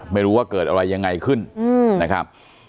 ไม่รู้ว่าเกิดอะไรยังไงขึ้นนะครับ